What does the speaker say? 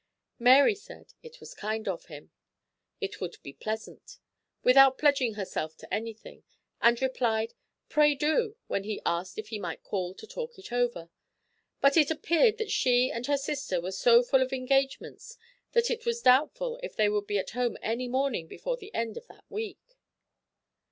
Mary said "it was kind of him," "it would be pleasant," without pledging herself to anything; and replied, "Pray do," when he asked if he might call to talk it over; but it appeared that she and her sister were so full of engagements that it was doubtful if they would be at home any morning before the end of that week.